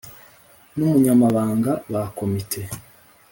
n Umunyamabanga ba komite